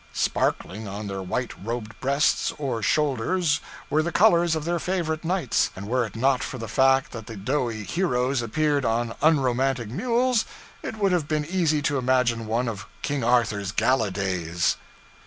Sparkling on their white robed breasts or shoulders were the colors of their favorite knights, and were it not for the fact that the doughty heroes appeared on unromantic mules, it would have been easy to imagine one of King Arthur's gala days.'